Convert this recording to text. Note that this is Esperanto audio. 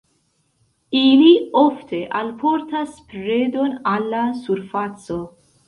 Ili ofte alportas predon al la surfaco.